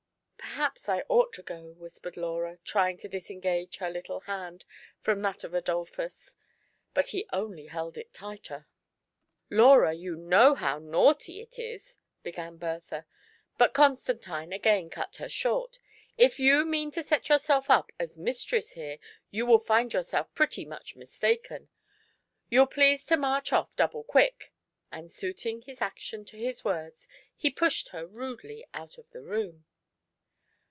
" Perhaps I ought to go," whispered Laura, trying to disengage her little hand from that of Adolphus ; hut he only held it the tighter. SUNDAY AT DOVE'S NEST. 81 "Laura, you know how naughty it is" — began Bertha, but Constantine again cut her short, —If you mean to set yourself up as mistress here, you will find yourself pretty much mistaken. You'll please to march off double quick," and, suiting his action to his words, he pushed her rudely out of the room.